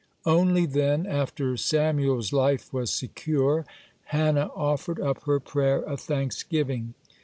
(19) Only then, after Samuel's life was secure, Hannah offered up her prayer of thanksgiving.